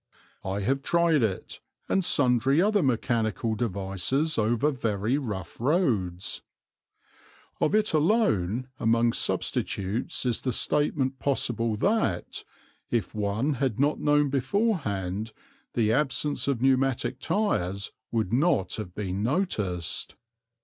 I have tried it, and sundry other mechanical devices over very rough roads. Of it alone among substitutes is the statement possible that, if one had not known beforehand, the absence of pneumatic tires would not have been noticed.